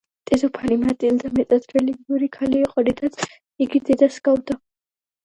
დედოფალი მატილდა მეტად რელიგიური ქალი იყო, რითაც იგი დედას ჰგავდა.